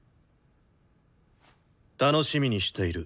楽しみにしている。